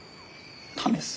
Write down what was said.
試す？